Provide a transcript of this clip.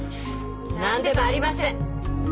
何でもありません！